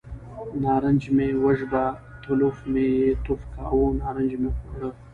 نارنج مې وژبه، تلوف مې یې توف کاوه، نارنج مې خوړ.